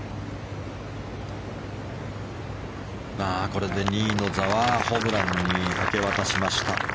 これで２位の座はホブランに明け渡しました。